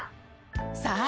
さあ